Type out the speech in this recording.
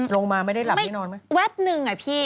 ลงมาไม่ได้หลับไม่ได้นอนไหมไม่แวดนึงอ่ะพี่